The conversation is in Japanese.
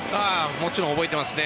もちろん覚えています。